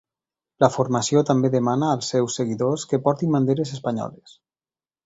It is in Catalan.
La formació també demana als seus seguidors que portin banderes espanyoles.